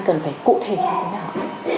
cần phải cụ thể như thế nào